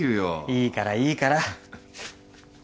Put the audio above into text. いいからいいから。